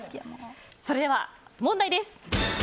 それでは問題です。